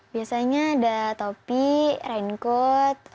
biasanya ada topi raincoat